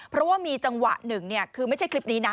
เพราะว่ามีจังหวะหนึ่งคือไม่ใช่คลิปนี้นะ